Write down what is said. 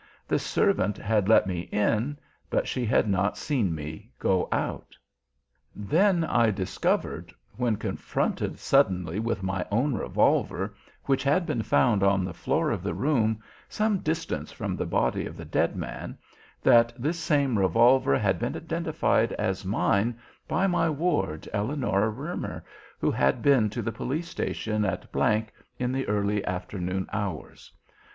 The servant had let me in but she had not seen me go out. "Then I discovered when confronted suddenly with my own revolver which had been found on the floor of the room, some distance from the body of the dead man, that this same revolver had been identified as mine by my ward, Eleonora Roemer, who had been to the police station at G in the early afternoon hours.